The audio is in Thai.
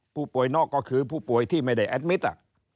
ผู้ป่วยนอกก็คือผู้ป่วยที่ไม่ได้แอดมิตร